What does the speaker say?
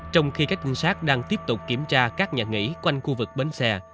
trong khi các trinh sát đang tiếp tục kiểm tra các nhà nghỉ quanh khu vực bến xe